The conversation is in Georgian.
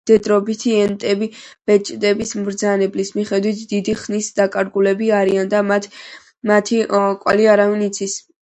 მდედრობითი ენტები, „ბეჭდების მბრძანებლის“ მიხედვით, დიდი ხნის დაკარგულები არიან და მათი კვალი არავინ იცის.